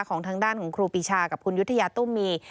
ของทางด้านของครูปีชากับคุณยุธยาตุ้มมี